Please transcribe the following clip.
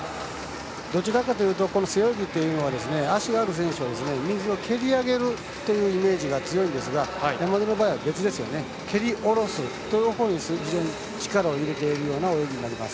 どちらかというと背泳ぎというのは足がある選手は水を蹴り上げるというイメージが強いんですが、山田の場合は別で蹴り下ろすというほうに力を入れているような泳ぎです。